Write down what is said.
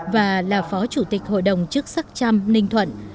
và là phó chủ tịch hội đồng chức sắc chăm ninh thuận